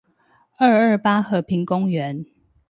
二二八和平公園